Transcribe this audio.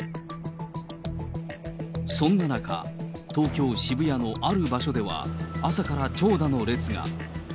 そんな中、東京・渋谷のある場所では朝から長蛇の列が。